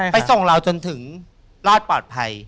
ไปส่งเราจนถึงรอดปลอดภัย